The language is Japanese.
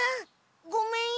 ごめんよ。